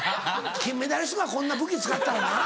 金メダリストがこんな武器使ったらなぁ。